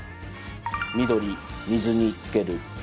緑・水につける。